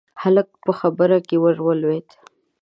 هلک په خبره کې ورولوېد: